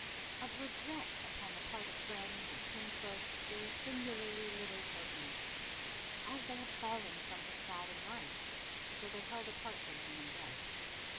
Of regret upon the part of friends or kinsfolk there is singularly little token. As they had fallen from his side in life, so they held apart from him in death.